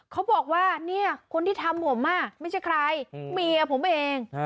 เขาบอกว่าเนี่ยคนที่ทำผมไม่ใช่ใครเมียผมเอง